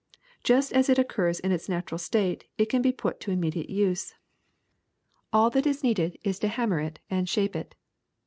Just as it occurs in its natural state it can be put to immediate use ; all that is needed is to ham RUST 161 mer it and shape it.